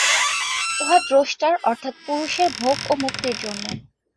উহা দ্রষ্টার অর্থাৎ পুরুষের ভোগ ও মুক্তির জন্য।